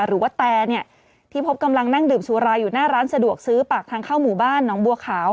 แตเนี่ยที่พบกำลังนั่งดื่มสุราอยู่หน้าร้านสะดวกซื้อปากทางเข้าหมู่บ้านน้องบัวขาว